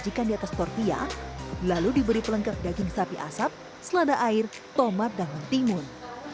disajikan di atas tortilla lalu diberi pelengkap daging sapi asap selada air tomat dan mentimun